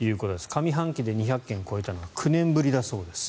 上半期で２００件を超えたのは９年ぶりだそうです。